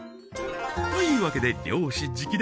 というわけで漁師直伝！